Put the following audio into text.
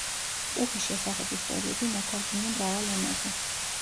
პუჰის შესახებ ისტორიები ნათარგმნია მრავალ ენაზე.